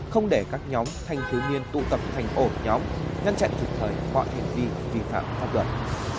không để các nhóm thanh thiếu niên tụ tập thành ổn nhóm ngăn chặn thực thời bọn hành vi vi phạm pháp luật